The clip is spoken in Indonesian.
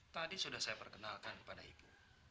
tadi sudah saya perkenalkan kepada ibu